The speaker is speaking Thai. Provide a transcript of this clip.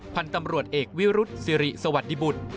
พันธุ์ตำรวจเอกวิรุษสิริสวัสดิบุตร